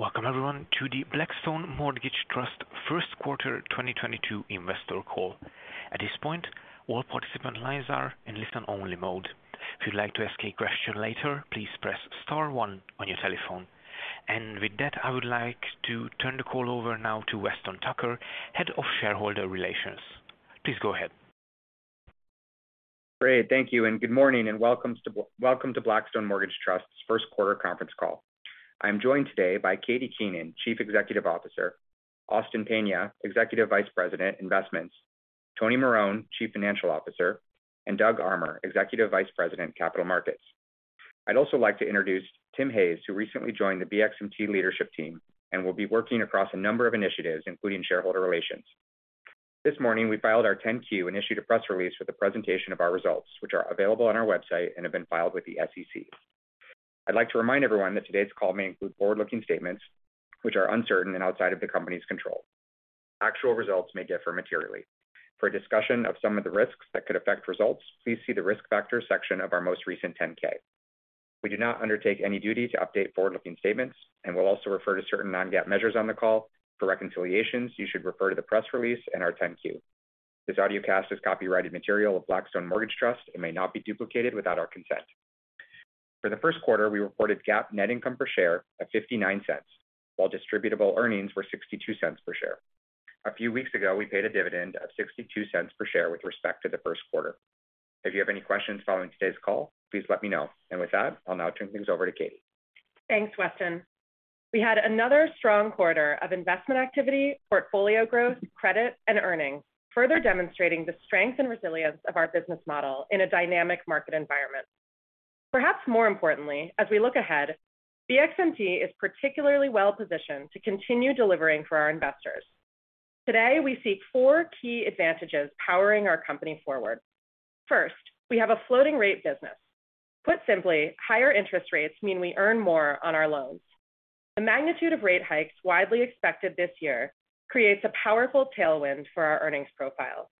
Welcome everyone to the Blackstone Mortgage Trust first quarter 2022 investor call. At this point, all participant lines are in listen only mode. If you'd like to ask a question later, please press star one on your telephone. With that, I would like to turn the call over now to Weston Tucker, Head of Shareholder Relations. Please go ahead. Great. Thank you, and good morning, and welcome to Blackstone Mortgage Trust's first quarter conference call. I'm joined today by Katie Keenan, Chief Executive Officer, Austin Peña, Executive Vice President, Investments, Tony Marone, Chief Financial Officer, and Doug Armer, Executive Vice President, Capital Markets. I'd also like to introduce Tim Hayes, who recently joined the BXMT leadership team and will be working across a number of initiatives, including shareholder relations. This morning, we filed our 10-Q and issued a press release for the presentation of our results, which are available on our website and have been filed with the SEC. I'd like to remind everyone that today's call may include forward-looking statements which are uncertain and outside of the company's control. Actual results may differ materially. For a discussion of some of the risks that could affect results, please see the Risk Factors section of our most recent 10-K. We do not undertake any duty to update forward-looking statements and will also refer to certain non-GAAP measures on the call. For reconciliations, you should refer to the press release and our 10-Q. This audiocast is copyrighted material of Blackstone Mortgage Trust and may not be duplicated without our consent. For the first quarter, we reported GAAP net income per share of $0.59, while distributable earnings were $0.62 per share. A few weeks ago, we paid a dividend of $0.62 per share with respect to the first quarter. If you have any questions following today's call, please let me know. With that, I'll now turn things over to Katie. Thanks, Weston. We had another strong quarter of investment activity, portfolio growth, credit, and earnings, further demonstrating the strength and resilience of our business model in a dynamic market environment. Perhaps more importantly, as we look ahead, BXMT is particularly well-positioned to continue delivering for our investors. Today, we see four key advantages powering our company forward. First, we have a floating rate business. Put simply, higher interest rates mean we earn more on our loans. The magnitude of rate hikes widely expected this year creates a powerful tailwind for our earnings profile.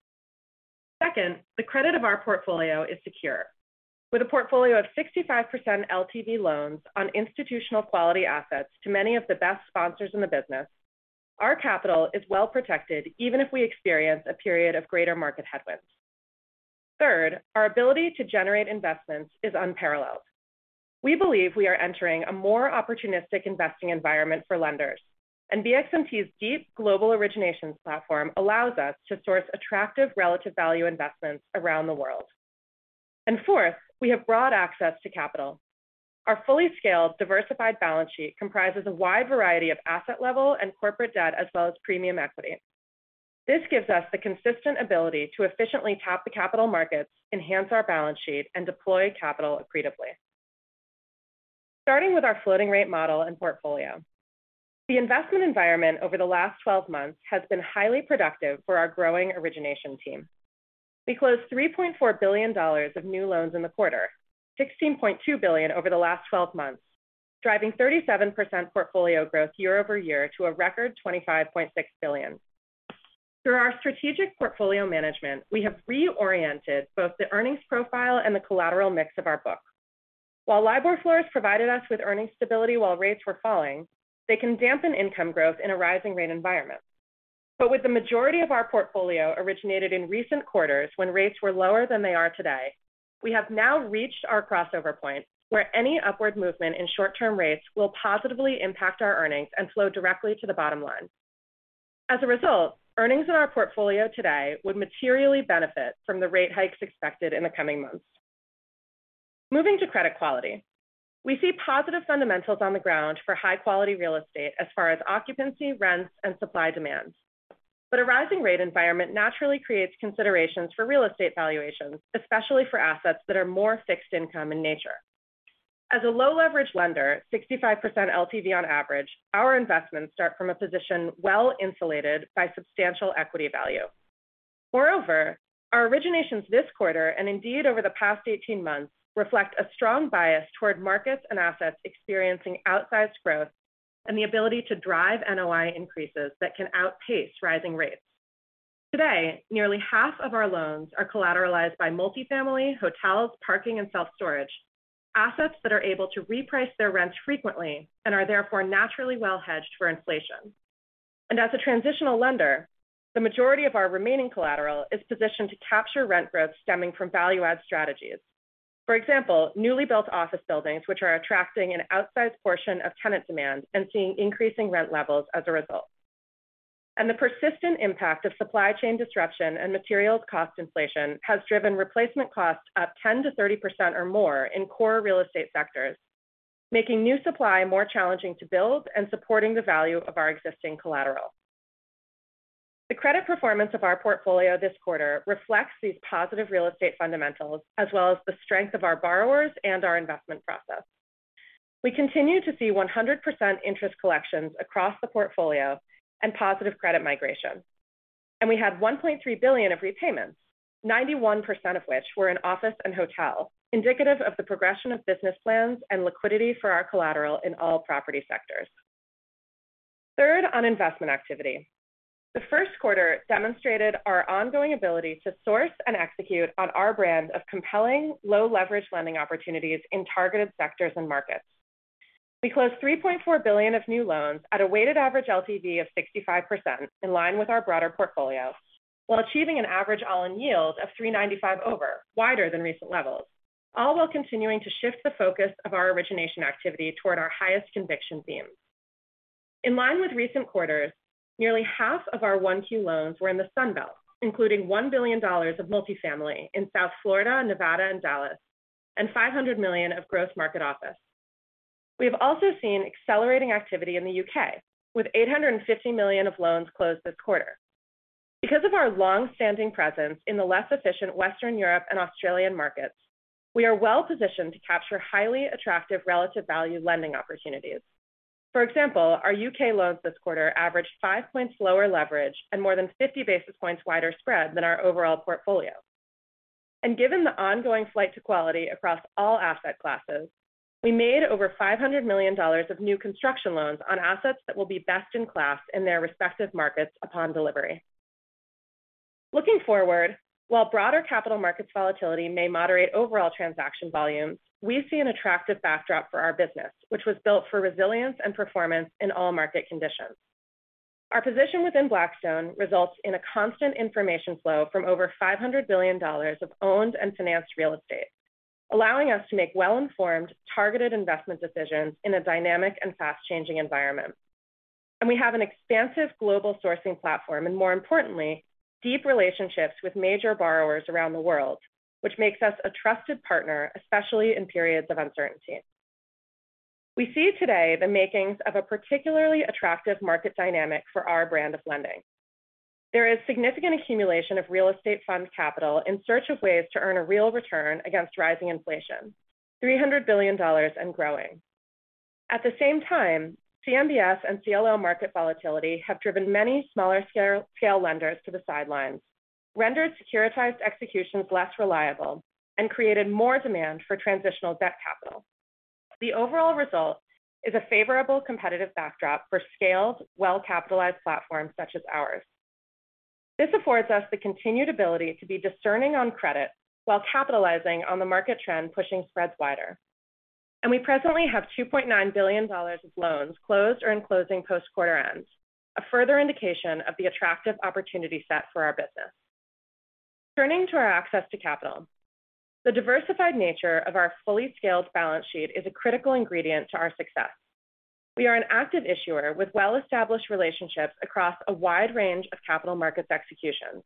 Second, the credit of our portfolio is secure. With a portfolio of 65% LTV loans on institutional quality assets to many of the best sponsors in the business, our capital is well protected even if we experience a period of greater market headwinds. Third, our ability to generate investments is unparalleled. We believe we are entering a more opportunistic investing environment for lenders, and BXMT's deep global originations platform allows us to source attractive relative value investments around the world. Fourth, we have broad access to capital. Our fully scaled, diversified balance sheet comprises a wide variety of asset level and corporate debt, as well as premium equity. This gives us the consistent ability to efficiently tap the capital markets, enhance our balance sheet, and deploy capital accretively. Starting with our floating rate model and portfolio. The investment environment over the last 12 months has been highly productive for our growing origination team. We closed $3.4 billion of new loans in the quarter, $16.2 billion over the last 12 months, driving 37% portfolio growth year-over-year to a record $25.6 billion. Through our strategic portfolio management, we have reoriented both the earnings profile and the collateral mix of our book. While LIBOR floors provided us with earnings stability while rates were falling, they can dampen income growth in a rising rate environment. With the majority of our portfolio originated in recent quarters when rates were lower than they are today, we have now reached our crossover point where any upward movement in short-term rates will positively impact our earnings and flow directly to the bottom line. As a result, earnings in our portfolio today would materially benefit from the rate hikes expected in the coming months. Moving to credit quality. We see positive fundamentals on the ground for high-quality real estate as far as occupancy, rents, and supply and demand. A rising rate environment naturally creates considerations for real estate valuations, especially for assets that are more fixed income in nature. As a low leverage lender, 65% LTV on average, our investments start from a position well-insulated by substantial equity value. Moreover, our originations this quarter, and indeed over the past 18 months, reflect a strong bias toward markets and assets experiencing outsized growth and the ability to drive NOI increases that can outpace rising rates. Today, nearly half of our loans are collateralized by multifamily, hotels, parking, and self-storage, assets that are able to reprice their rents frequently and are therefore naturally well hedged for inflation. As a transitional lender, the majority of our remaining collateral is positioned to capture rent growth stemming from value add strategies. For example, newly built office buildings, which are attracting an outsized portion of tenant demand and seeing increasing rent levels as a result. The persistent impact of supply chain disruption and materials cost inflation has driven replacement costs up 10%-30% or more in core real estate sectors, making new supply more challenging to build and supporting the value of our existing collateral. The credit performance of our portfolio this quarter reflects these positive real estate fundamentals, as well as the strength of our borrowers and our investment process. We continue to see 100% interest collections across the portfolio and positive credit migration. We had $1.3 billion of repayments, 91% of which were in office and hotel, indicative of the progression of business plans and liquidity for our collateral in all property sectors. Third, on investment activity. The first quarter demonstrated our ongoing ability to source and execute on our brand of compelling low leverage lending opportunities in targeted sectors and markets. We closed $3.4 billion of new loans at a weighted average LTV of 65%, in line with our broader portfolio, while achieving an average all-in yield of 3.95 basis points, wider than recent levels, all while continuing to shift the focus of our origination activity toward our highest conviction themes. In line with recent quarters, nearly half of our 1Q loans were in the Sun Belt, including $1 billion of multifamily in South Florida, Nevada, and Dallas, and $500 million of growth market office. We have also seen accelerating activity in the U.K., with $850 million of loans closed this quarter. Because of our long-standing presence in the less efficient Western Europe and Australian markets, we are well positioned to capture highly attractive relative value lending opportunities. For example, our UK loans this quarter averaged 5 points lower leverage and more than 50 basis points wider spread than our overall portfolio. Given the ongoing flight to quality across all asset classes, we made over $500+ million of new construction loans on assets that will be best in class in their respective markets upon delivery. Looking forward, while broader capital markets volatility may moderate overall transaction volumes, we see an attractive backdrop for our business, which was built for resilience and performance in all market conditions. Our position within Blackstone results in a constant information flow from over $500 billion of owned and financed real estate, allowing us to make well-informed, targeted investment decisions in a dynamic and fast changing environment. We have an expansive global sourcing platform, and more importantly, deep relationships with major borrowers around the world, which makes us a trusted partner, especially in periods of uncertainty. We see today the makings of a particularly attractive market dynamic for our brand of lending. There is significant accumulation of real estate fund capital in search of ways to earn a real return against rising inflation, $300 billion and growing. At the same time, CMBS and CLO market volatility have driven many smaller scale lenders to the sidelines, rendered securitized executions less reliable, and created more demand for transitional debt capital. The overall result is a favorable competitive backdrop for scaled, well-capitalized platforms such as ours. This affords us the continued ability to be discerning on credit while capitalizing on the market trend pushing spreads wider. We presently have $2.9 billion of loans closed or in closing post quarter end, a further indication of the attractive opportunity set for our business. Turning to our access to capital. The diversified nature of our fully scaled balance sheet is a critical ingredient to our success. We are an active issuer with well-established relationships across a wide range of capital markets executions,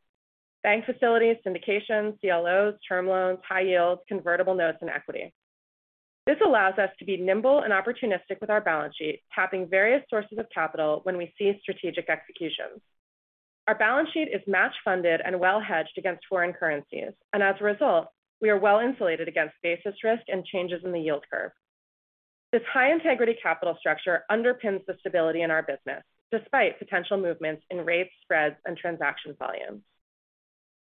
bank facilities, syndications, CLOs, term loans, high yields, convertible notes, and equity. This allows us to be nimble and opportunistic with our balance sheet, tapping various sources of capital when we see strategic executions. Our balance sheet is match funded and well hedged against foreign currencies. As a result, we are well insulated against basis risk and changes in the yield curve. This high-integrity capital structure underpins the stability in our business despite potential movements in rates, spreads, and transaction volumes.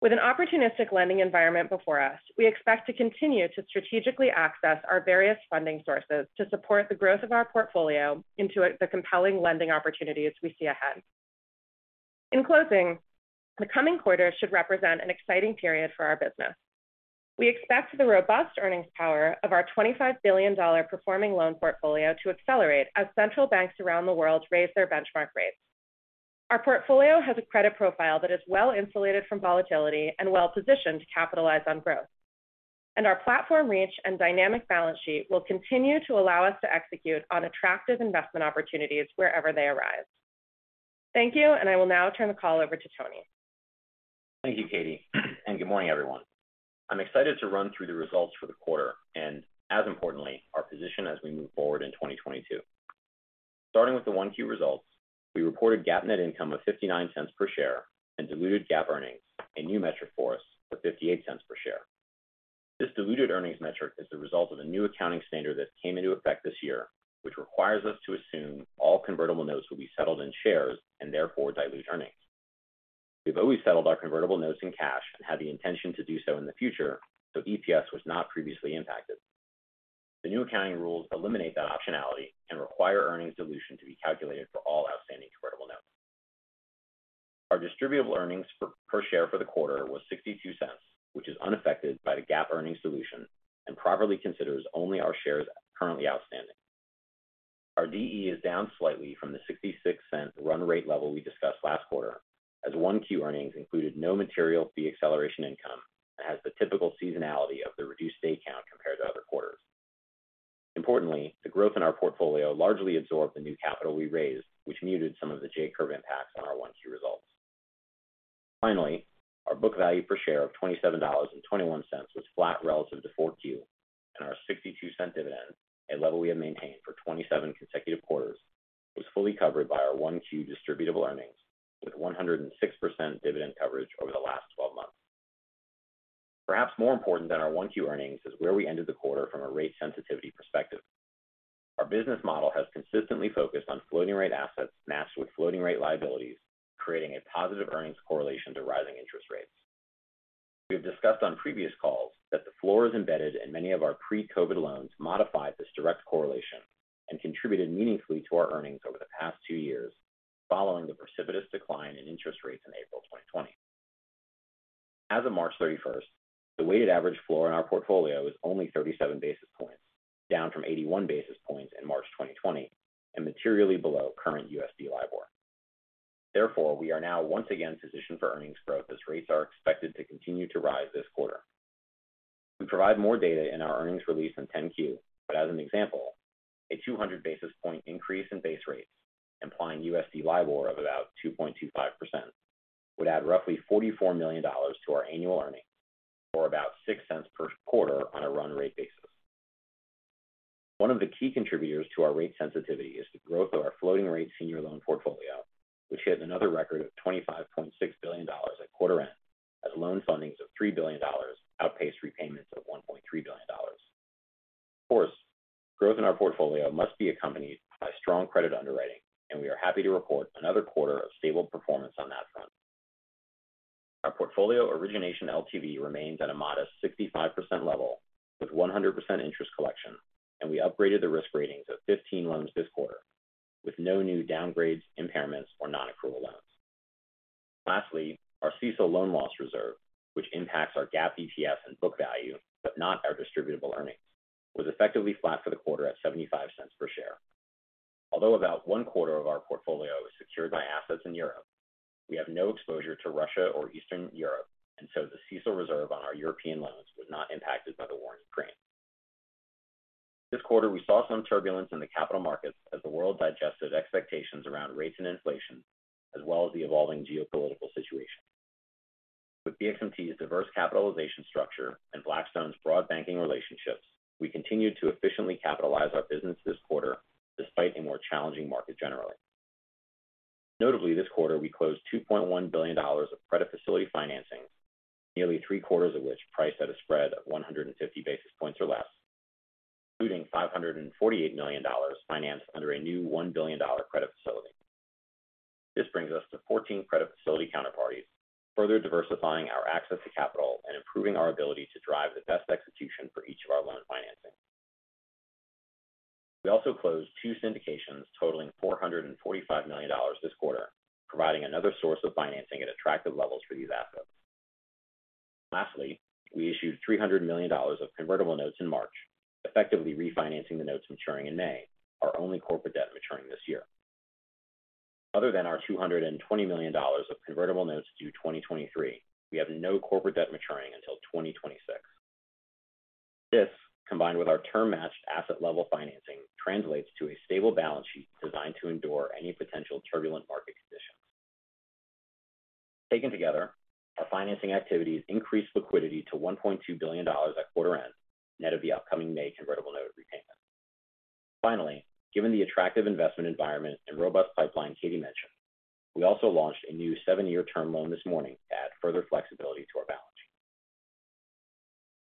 With an opportunistic lending environment before us, we expect to continue to strategically access our various funding sources to support the growth of our portfolio into the compelling lending opportunities we see ahead. In closing, the coming quarters should represent an exciting period for our business. We expect the robust earnings power of our $25 billion performing loan portfolio to accelerate as central banks around the world raise their benchmark rates. Our portfolio has a credit profile that is well insulated from volatility and well-positioned to capitalize on growth. Our platform reach and dynamic balance sheet will continue to allow us to execute on attractive investment opportunities wherever they arise. Thank you, and I will now turn the call over to Tony. Thank you, Katie, and good morning, everyone. I'm excited to run through the results for the quarter and as importantly, our position as we move forward in 2022. Starting with the 1Q results, we reported GAAP net income of $0.59 per share and diluted GAAP earnings, a new metric for us, of $0.58 per share. This diluted earnings metric is the result of a new accounting standard that came into effect this year, which requires us to assume all convertible notes will be settled in shares and therefore dilute earnings. We've always settled our convertible notes in cash and have the intention to do so in the future, so EPS was not previously impacted. The new accounting rules eliminate that optionality and require earnings dilution to be calculated for all outstanding convertible notes. Our distributable earnings per share for the quarter was $0.62, which is unaffected by the GAAP earnings dilution and properly considers only our shares currently outstanding. Our DE is down slightly from the $0.66 cent run rate level we discussed last quarter as 1Q earnings included no material fee acceleration income and has the typical seasonality of the reduced day count compared to other quarters. Importantly, the growth in our portfolio largely absorbed the new capital we raised, which muted some of the J-curve impacts on our 1Q results. Finally, our book value per share of $27.21 was flat relative to 4Q, and our $0.62 cent dividend, a level we have maintained for 27 consecutive quarters, was fully covered by our 1Q distributable earnings, with 106% dividend coverage over the last 12 months. Perhaps more important than our 1Q earnings is where we ended the quarter from a rate sensitivity perspective. Our business model has consistently focused on floating rate assets matched with floating rate liabilities, creating a positive earnings correlation to rising interest rates. We've discussed on previous calls that the floors embedded in many of our pre-COVID loans modified this direct correlation and contributed meaningfully to our earnings over the past two years, following the precipitous decline in interest rates in April 2020. As of March 31st, the weighted average floor in our portfolio was only 37 basis points, down from 81 basis points in March 2020 and materially below current USD LIBOR. Therefore, we are now once again positioned for earnings growth as rates are expected to continue to rise this quarter. We provide more data in our earnings release in 10-Q, but as an example, a 200 basis point increase in base rates, implying USD LIBOR of about 2.25% would add roughly $44 million to our annual earnings, or about $0.06 per quarter on a run rate basis. One of the key contributors to our rate sensitivity is the growth of our floating rate senior loan portfolio, which hit another record of $25.6 billion at quarter end as loan fundings of $3 billion outpaced repayments of $1.3 billion. Of course, growth in our portfolio must be accompanied by strong credit underwriting, and we are happy to report another quarter of stable performance on that front. Our portfolio origination LTV remains at a modest 65% level with 100% interest collection, and we upgraded the risk ratings of 15 loans this quarter with no new downgrades, impairments, or non-accrual loans. Lastly, our CECL loan loss reserve, which impacts our GAAP EPS and book value, but not our distributable earnings, was effectively flat for the quarter at $0.75 per share. Although about one quarter of our portfolio is secured by assets in Europe, we have no exposure to Russia or Eastern Europe, and so the CECL reserve on our European loans was not impacted by the war in Ukraine. This quarter, we saw some turbulence in the capital markets as the world digested expectations around rates and inflation, as well as the evolving geopolitical situation. With BXMT's diverse capitalization structure and Blackstone's broad banking relationships, we continued to efficiently capitalize our business this quarter despite a more challenging market generally. Notably this quarter, we closed $2.1 billion of credit facility financings, nearly three-quarters of which priced at a spread of 150 basis points or less, including $548 million financed under a new $1 billion credit facility. This brings us to 14 credit facility counterparties, further diversifying our access to capital and improving our ability to drive the best execution for each of our loan financings. We also closed two syndications totaling $445 million this quarter, providing another source of financing at attractive levels for these assets. Lastly, we issued $300 million of convertible notes in March, effectively refinancing the notes maturing in May, our only corporate debt maturing this year. Other than our $220 million of convertible notes due 2023, we have no corporate debt maturing until 2026. This, combined with our term matched asset level financing, translates to a stable balance sheet designed to endure any potential turbulent market conditions. Taken together, our financing activities increased liquidity to $1.2 billion at quarter end, net of the upcoming May convertible note repayment. Finally, given the attractive investment environment and robust pipeline Katie mentioned, we also launched a new seven-year term loan this morning to add further flexibility to our balance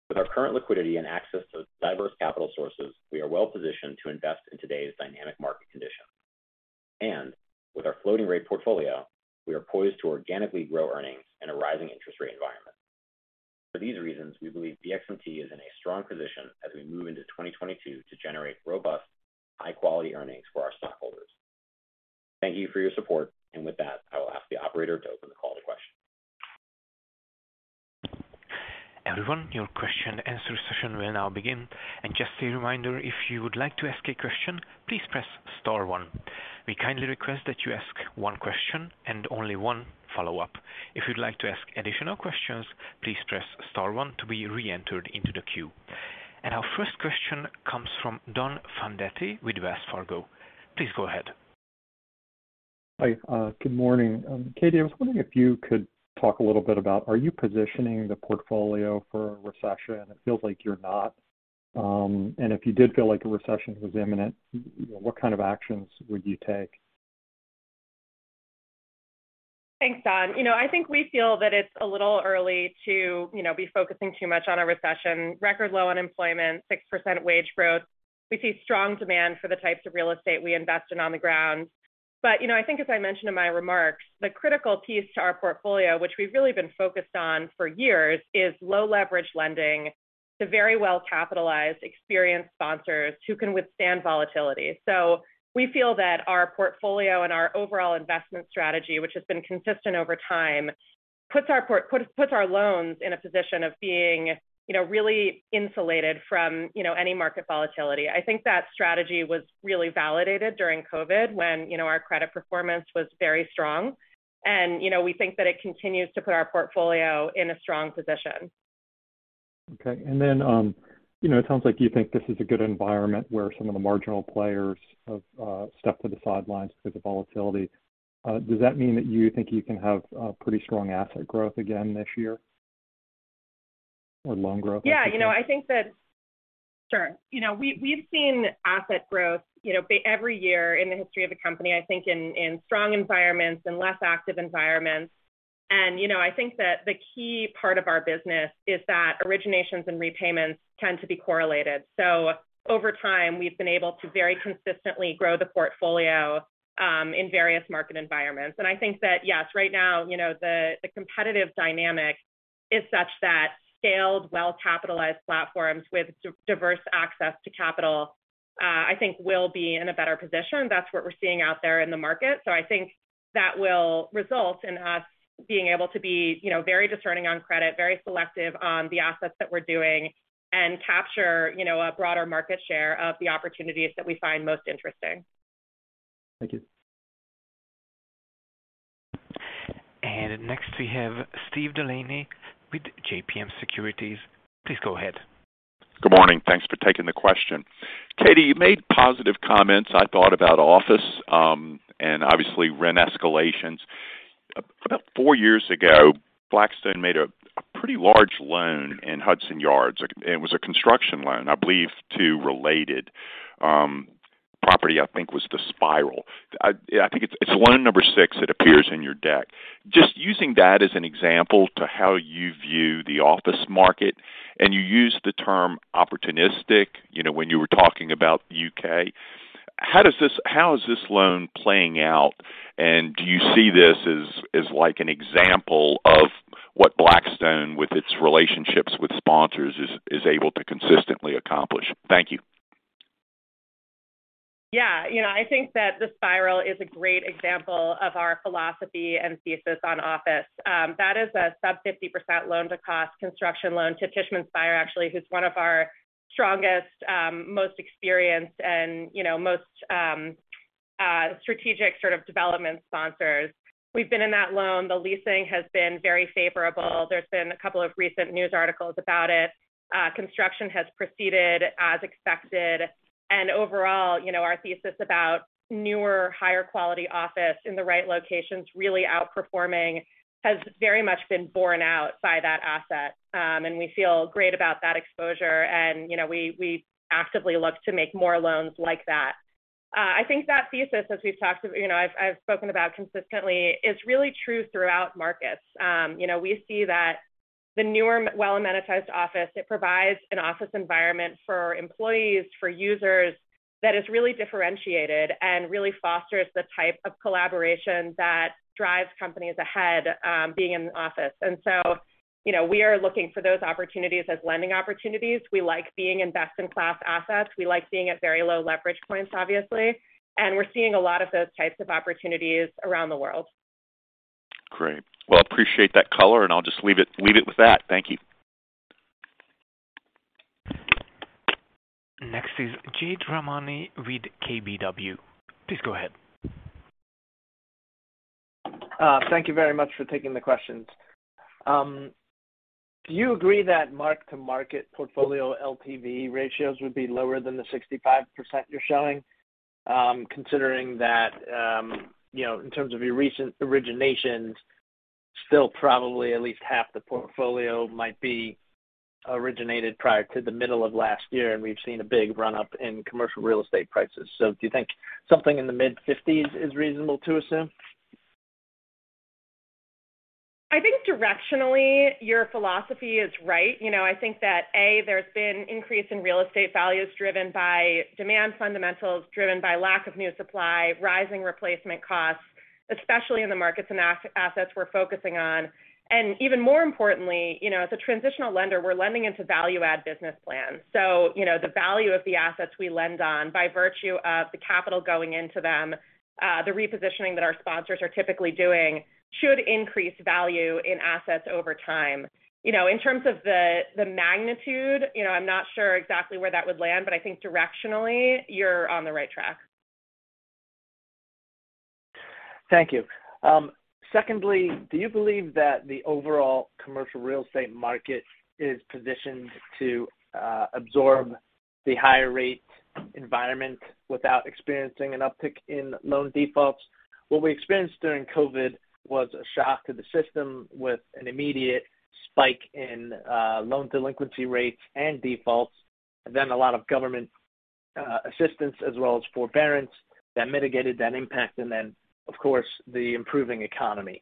sheet. With our current liquidity and access to diverse capital sources, we are well positioned to invest in today's dynamic market conditions. With our floating rate portfolio, we are poised to organically grow earnings in a rising interest rate environment. For these reasons, we believe BXMT is in a strong position as we move into 2022 to generate robust, high-quality earnings for our stockholders. Thank you for your support. With that, I will ask the operator to open the call to questions. Everyone, your question and answer session will now begin. Just a reminder, if you would like to ask a question, please press star one. We kindly request that you ask one question and only one follow-up. If you'd like to ask additional questions, please press star one to be re-entered into the queue. Our first question comes from Don Fandetti with Wells Fargo. Please go ahead. Hi. Good morning. Katie, I was wondering if you could talk a little bit about are you positioning the portfolio for a recession? It feels like you're not. If you did feel like a recession was imminent, you know, what kind of actions would you take? Thanks, Don. You know, I think we feel that it's a little early to, you know, be focusing too much on a recession. Record low unemployment, 6% wage growth. We see strong demand for the types of real estate we invest in on the ground. You know, I think as I mentioned in my remarks, the critical piece to our portfolio, which we've really been focused on for years, is low leverage lending to very well-capitalized, experienced sponsors who can withstand volatility. We feel that our portfolio and our overall investment strategy, which has been consistent over time, puts our loans in a position of being, you know, really insulated from, you know, any market volatility. I think that strategy was really validated during COVID when, you know, our credit performance was very strong. You know, we think that it continues to put our portfolio in a strong position. Okay. You know, it sounds like you think this is a good environment where some of the marginal players have stepped to the sidelines because of volatility. Does that mean that you think you can have pretty strong asset growth again this year or loan growth? Yeah. You know, I think that. Sure. You know, we've seen asset growth, you know, every year in the history of the company, I think in strong environments and less active environments. You know, I think that the key part of our business is that originations and repayments tend to be correlated. Over time, we've been able to very consistently grow the portfolio in various market environments. I think that, yes, right now, you know, the competitive dynamic is such that scaled well-capitalized platforms with diverse access to capital, I think will be in a better position. That's what we're seeing out there in the market. I think that will result in us being able to be, you know, very discerning on credit, very selective on the assets that we're doing, and capture, you know, a broader market share of the opportunities that we find most interesting. Thank you. Next, we have Steve DeLaney with JMP Securities. Please go ahead. Good morning. Thanks for taking the question. Katie, you made positive comments, I thought, about office and obviously rent escalations. About four years ago, Blackstone made a pretty large loan in Hudson Yards. It was a construction loan, I believe, to Related property I think was The Spiral. Yeah, I think it's loan number six that appears in your deck. Just using that as an example of how you view the office market, and you used the term opportunistic, you know, when you were talking about U.K. How is this loan playing out, and do you see this as like an example of what Blackstone, with its relationships with sponsors, is able to consistently accomplish? Thank you. Yeah. You know, I think that The Spiral is a great example of our philosophy and thesis on office. That is a sub-50% loan-to-cost construction loan to Tishman Speyer, actually, who's one of our strongest, most experienced and, you know, most strategic sort of development sponsors. We've been in that loan. The leasing has been very favorable. There's been a couple of recent news articles about it. Construction has proceeded as expected. Overall, you know, our thesis about newer, higher quality office in the right locations really outperforming has very much been borne out by that asset, and we feel great about that exposure. You know, we actively look to make more loans like that. I think that thesis, as we've talked, you know, I've spoken about consistently, is really true throughout markets. You know, we see that the newer well-amenitized office, it provides an office environment for employees, for users that is really differentiated and really fosters the type of collaboration that drives companies ahead, being in office. You know, we are looking for those opportunities as lending opportunities. We like being in best-in-class assets. We like being at very low leverage points, obviously. We're seeing a lot of those types of opportunities around the world. Great. Well, I appreciate that color, and I'll just leave it with that. Thank you. Next is Jade Rahmani with KBW. Please go ahead. Thank you very much for taking the questions. Do you agree that mark-to-market portfolio LTV ratios would be lower than the 65% you're showing, considering that, you know, in terms of your recent originations, still probably at least half the portfolio might be originated prior to the middle of last year, and we've seen a big run-up in commercial real estate prices. Do you think something in the mid-50s is reasonable to assume? I think directionally, your philosophy is right. You know, I think that, A, there's been increase in real estate values driven by demand fundamentals, driven by lack of new supply, rising replacement costs, especially in the markets and assets we're focusing on. And even more importantly, you know, as a transitional lender, we're lending into value add business plans. So, you know, the value of the assets we lend on by virtue of the capital going into them, the repositioning that our sponsors are typically doing should increase value in assets over time. You know, in terms of the magnitude, you know, I'm not sure exactly where that would land, but I think directionally you're on the right track. Thank you. Secondly, do you believe that the overall commercial real estate market is positioned to absorb the higher rate environment without experiencing an uptick in loan defaults? What we experienced during COVID was a shock to the system with an immediate spike in loan delinquency rates and defaults, then a lot of government assistance as well as forbearance that mitigated that impact and then, of course, the improving economy.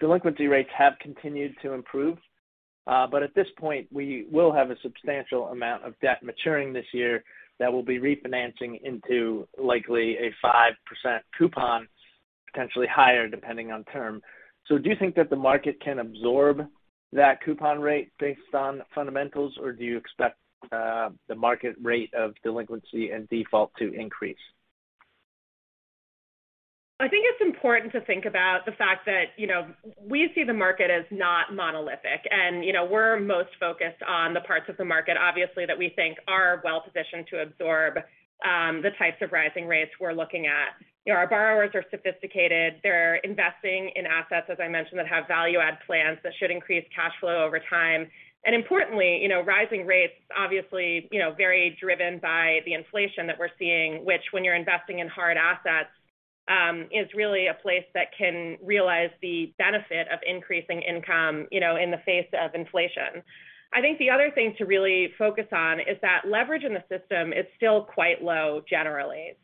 Delinquency rates have continued to improve. But at this point, we will have a substantial amount of debt maturing this year that will be refinancing into likely a 5% coupon, potentially higher depending on term. Do you think that the market can absorb that coupon rate based on fundamentals, or do you expect the market rate of delinquency and default to increase? I think it's important to think about the fact that, you know, we see the market as not monolithic. You know, we're most focused on the parts of the market, obviously, that we think are well-positioned to absorb the types of rising rates we're looking at. You know, our borrowers are sophisticated. They're investing in assets, as I mentioned, that have value add plans that should increase cash flow over time. Importantly, you know, rising rates obviously, you know, very driven by the inflation that we're seeing, which when you're investing in hard assets is really a place that can realize the benefit of increasing income, you know, in the face of inflation. I think the other thing to really focus on is that leverage in the system is still quite low generally.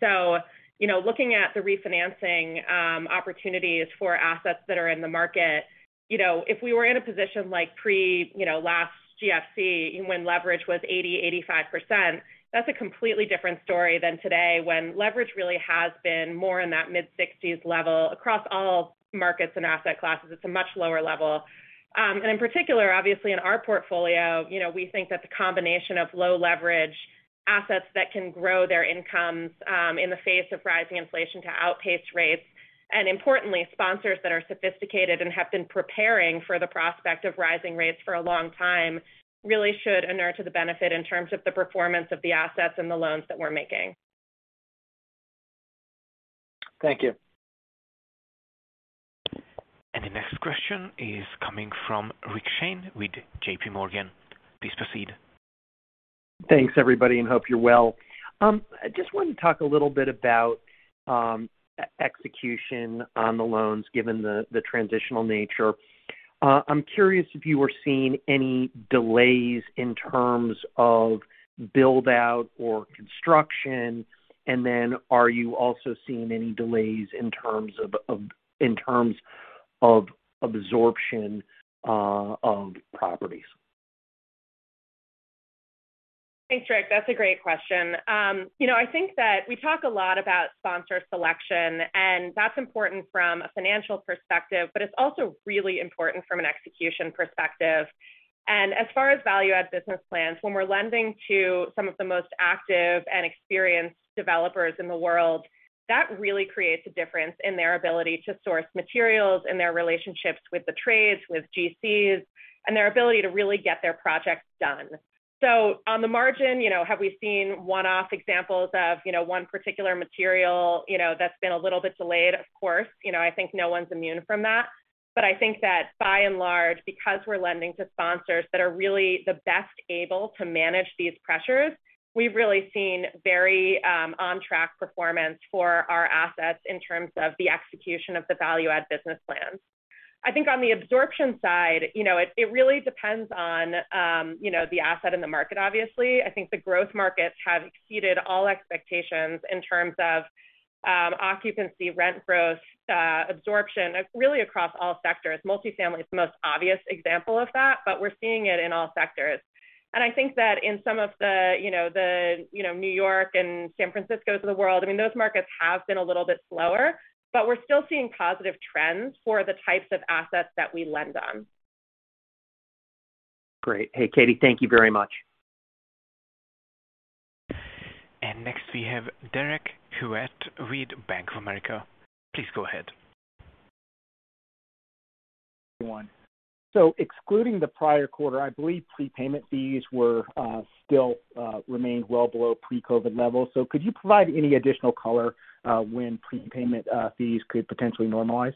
You know, looking at the refinancing opportunities for assets that are in the market, you know, if we were in a position like pre- you know, last GFC when leverage was 80%-85%, that's a completely different story than today when leverage really has been more in that mid-60s level across all markets and asset classes. It's a much lower level. And in particular, obviously in our portfolio, you know, we think that the combination of low leverage assets that can grow their incomes in the face of rising inflation to outpace rates, and importantly, sponsors that are sophisticated and have been preparing for the prospect of rising rates for a long time, really should inure to the benefit in terms of the performance of the assets and the loans that we're making. Thank you. The next question is coming from Rick Shane with J.P. Morgan. Please proceed. Thanks, everybody, and hope you're well. I just wanted to talk a little bit about execution on the loans, given the transitional nature. I'm curious if you were seeing any delays in terms of build out or construction. Are you also seeing any delays in terms of absorption of properties? Thanks, Rick. That's a great question. You know, I think that we talk a lot about sponsor selection, and that's important from a financial perspective, but it's also really important from an execution perspective. As far as value add business plans, when we're lending to some of the most active and experienced developers in the world, that really creates a difference in their ability to source materials in their relationships with the trades, with GCs, and their ability to really get their projects done. On the margin, you know, have we seen one-off examples of, you know, one particular material, you know, that's been a little bit delayed? Of course. You know, I think no one's immune from that. I think that by and large, because we're lending to sponsors that are really the best able to manage these pressures, we've really seen very on track performance for our assets in terms of the execution of the value add business plans. I think on the absorption side, you know, it really depends on, you know, the asset in the market obviously. I think the growth markets have exceeded all expectations in terms of, occupancy, rent growth, absorption, really across all sectors. Multifamily is the most obvious example of that, but we're seeing it in all sectors. I think that in some of the, you know, New York and San Franciscos of the world, I mean, those markets have been a little bit slower, but we're still seeing positive trends for the types of assets that we lend on. Great. Hey, Katie. Thank you very much. Next we have Derek Hewett with Bank of America. Please go ahead. Excluding the prior quarter, I believe prepayment fees were still remained well below pre-COVID levels. Could you provide any additional color when prepayment fees could potentially normalize?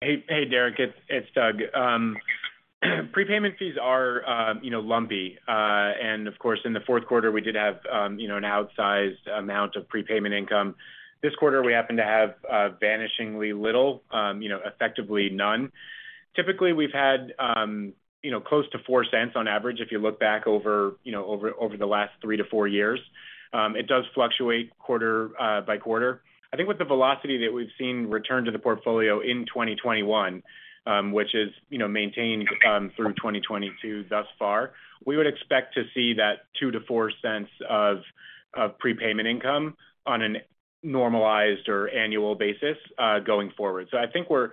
Hey, Derek, it's Doug. Prepayment fees are, you know, lumpy. Of course, in the fourth quarter, we did have, you know, an outsized amount of prepayment income. This quarter, we happen to have, vanishingly little, you know, effectively none. Typically, we've had, you know, close to $0.04 on average, if you look back over, you know, over the last three-four years. It does fluctuate quarter by quarter. I think with the velocity that we've seen return to the portfolio in 2021, which is, you know, maintained, through 2022 thus far, we would expect to see that $0.02-$0.04 of prepayment income on a normalized or annual basis, going forward. I think we're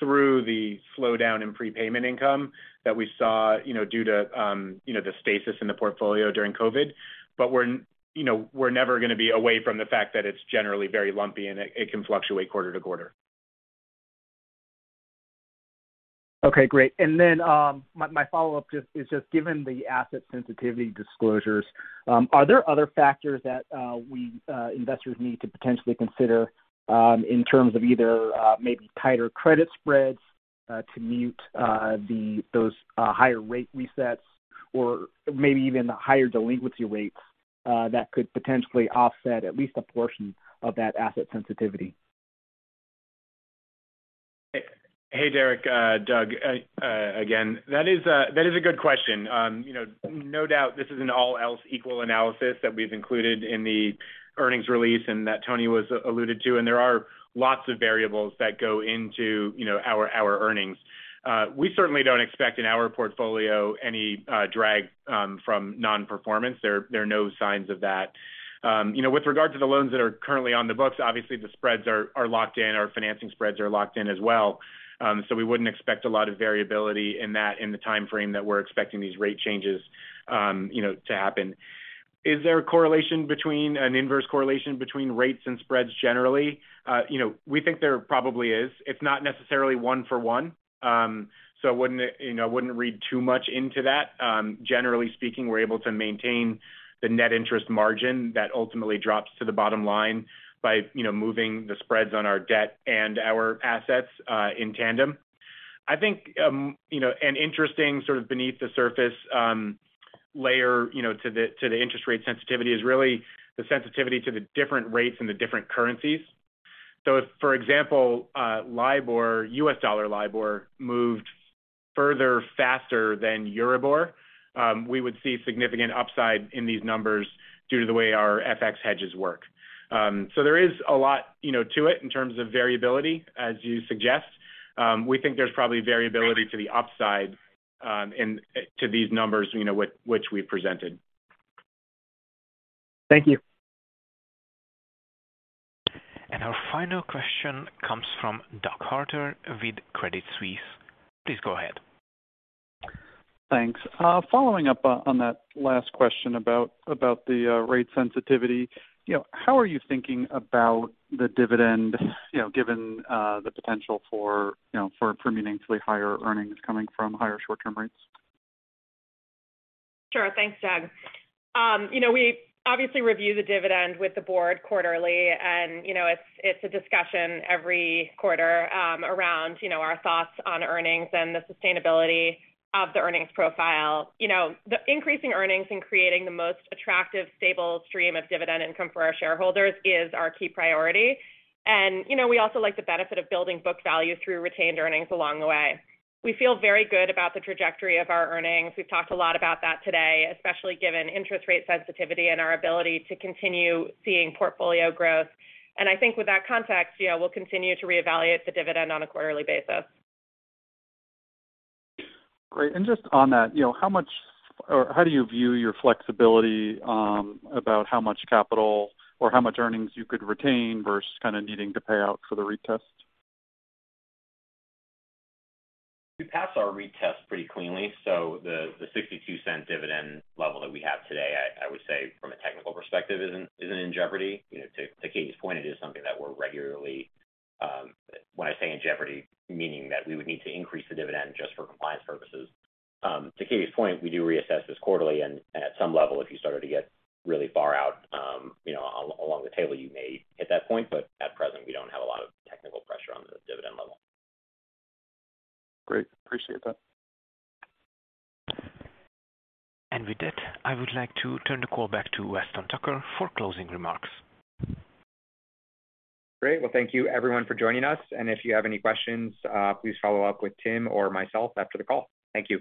through the slowdown in prepayment income that we saw, you know, due to you know the stasis in the portfolio during COVID. We're never gonna be away from the fact that it's generally very lumpy and it can fluctuate quarter to quarter. Okay, great. My follow-up is just given the asset sensitivity disclosures, are there other factors that we investors need to potentially consider in terms of either maybe tighter credit spreads to mute those higher rate resets or maybe even the higher delinquency rates that could potentially offset at least a portion of that asset sensitivity? Hey, hey, Derek, Doug, again. That is a good question. You know, no doubt this is an all else equal analysis that we've included in the earnings release and that Tony alluded to, and there are lots of variables that go into, you know, our earnings. We certainly don't expect in our portfolio any drag from non-performance. There are no signs of that. You know, with regard to the loans that are currently on the books, obviously the spreads are locked in, our financing spreads are locked in as well. We wouldn't expect a lot of variability in that in the timeframe that we're expecting these rate changes, you know, to happen. Is there an inverse correlation between rates and spreads generally? You know, we think there probably is. It's not necessarily one for one. I wouldn't, you know, wouldn't read too much into that. Generally speaking, we're able to maintain the net interest margin that ultimately drops to the bottom line by, you know, moving the spreads on our debt and our assets in tandem. I think, you know, an interesting sort of beneath the surface layer, you know, to the interest rate sensitivity is really the sensitivity to the different rates and the different currencies. If, for example, LIBOR, US dollar LIBOR moved- Further, faster than Euribor, we would see significant upside in these numbers due to the way our FX hedges work. There is a lot, you know, to it in terms of variability as you suggest. We think there's probably variability to the upside into these numbers, you know, which we've presented. Thank you. Our final question comes from Doug Harter with Credit Suisse. Please go ahead. Thanks. Following up on that last question about the rate sensitivity, you know, how are you thinking about the dividend, you know, given the potential for higher per unit earnings coming from higher short-term rates? Sure. Thanks, Doug. You know, we obviously review the dividend with the board quarterly and, you know, it's a discussion every quarter, around, you know, our thoughts on earnings and the sustainability of the earnings profile. You know, the increasing earnings and creating the most attractive stable stream of dividend income for our shareholders is our key priority. You know, we also like the benefit of building book value through retained earnings along the way. We feel very good about the trajectory of our earnings. We've talked a lot about that today, especially given interest rate sensitivity and our ability to continue seeing portfolio growth. I think with that context, yeah, we'll continue to reevaluate the dividend on a quarterly basis. Great. Just on that, you know, how much or how do you view your flexibility about how much capital or how much earnings you could retain versus kind of needing to pay out for the retest? We passed our retest pretty cleanly, so the $0.62 dividend level that we have today, I would say from a technical perspective isn't in jeopardy. You know, to Katie's point, it is something that we're regularly, when I say in jeopardy, meaning that we would need to increase the dividend just for compliance purposes. To Katie's point, we do reassess this quarterly and at some level, if you started to get really far out, you know, along the table, you may hit that point. At present, we don't have a lot of technical pressure on the dividend level. Great. Appreciate that. With that, I would like to turn the call back to Weston Tucker for closing remarks. Great. Well, thank you everyone for joining us, and if you have any questions, please follow up with Tim or myself after the call. Thank you.